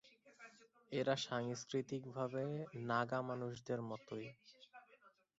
এরা সাংস্কৃতিকভাবে নাগা মানুষদের মতই।